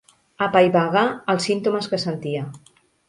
Apaivagà els símptomes que sentia.